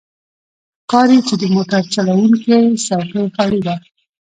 ښکاري چې د موټر چلوونکی څوکۍ خالي ده.